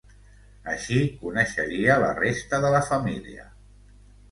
Així coneixeria la resta de la família.